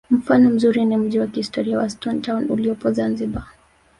mfano mzuri ni mji wa kihistoria wa stone town uliopo zanzibar